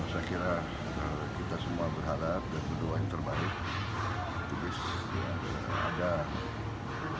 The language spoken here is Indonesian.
saya kira kita semua berharap